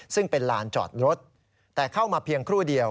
ซึ่งเป็นลานจอดรถแต่เข้ามาเพียงครู่เดียว